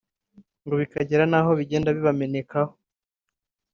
ngo bikagera naho bigenda bibamenekaho